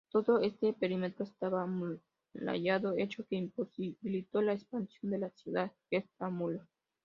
Todo este perímetro estaba amurallado, hecho que imposibilitó la expansión de la ciudad extramuros.